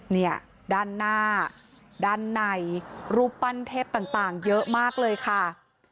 เนี่ยด้านหน้าด้านในรูปปั้นเทพต่างเยอะมากเลยค่ะ